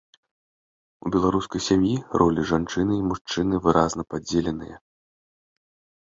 У беларускай сям'і ролі жанчыны і мужчыны выразна падзеленыя.